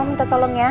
aku minta tolong ya